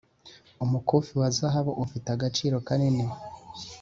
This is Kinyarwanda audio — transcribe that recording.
umukufi wa zahabu ufite agaciro kanini